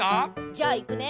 じゃあいくね。